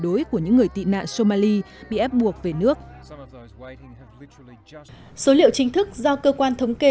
đối của những người tị nạn somali bị ép buộc về nước số liệu chính thức do cơ quan thống kê